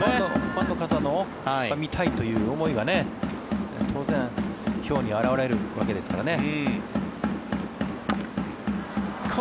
ファンの方の見たいという思いが当然、票に表れるわけですからね。